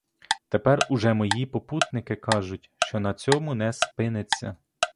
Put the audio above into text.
Тепер уже мої попутники кажуть, що на цьому не спиниться.